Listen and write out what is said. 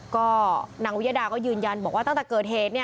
ก็นางวิยดาก็ยืนยันบอกว่าตั้งแต่เกิดเหตุ